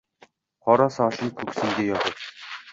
Qora sochin ko‘ksimga yoyib